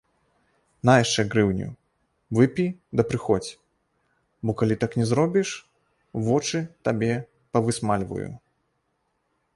На яшчэ грыўню, выпі ды прыходзь, бо калі так не зробіш, вочы табе павысмальваю.